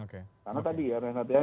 karena tadi ya raih natiyah